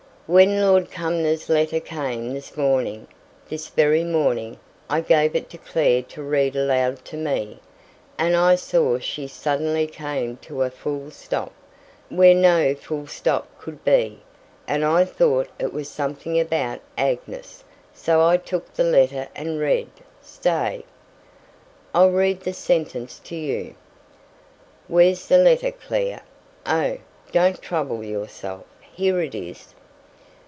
When Lord Cumnor's letter came this morning this very morning I gave it to Clare to read aloud to me, and I saw she suddenly came to a full stop, where no full stop could be, and I thought it was something about Agnes, so I took the letter and read stay! I'll read the sentence to you. Where's the letter, Clare? Oh! don't trouble yourself, here it is.